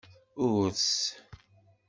Urss